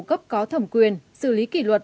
cấp có thẩm quyền xử lý kỷ luật